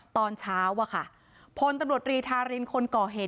ตอนเช้าอะค่ะพลตำรวจรีธารินคนก่อเหตุ